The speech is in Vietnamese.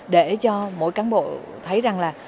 để cho mỗi cán bộ thấy rằng là